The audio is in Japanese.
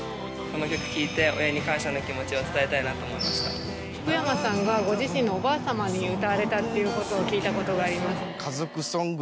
この曲聴いて親に感謝の気持ちを伝えたいなと思いました福山さんがご自身のおばあ様に歌われたっていうことを聞いたことがあります